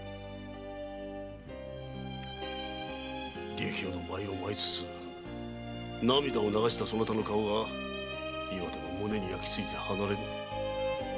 琉球の舞を舞いつつ涙を流したそなたの顔が今でも胸に焼きついて離れぬ。